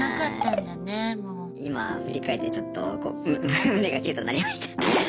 今振り返ってちょっと胸がキュッとなりました。